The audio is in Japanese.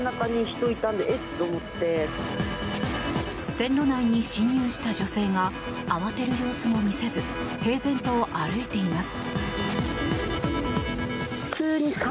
線路内に侵入した女性が慌てる様子も見せず平然と歩いています。